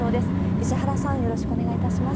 石原さん、よろしくお願いいたします。